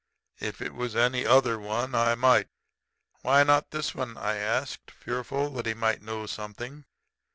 'If it was any other one I might.' "'Why not this one?' I asked, fearful that he might know something.